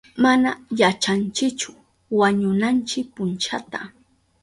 Mana yachanchichu wañunanchi punchata.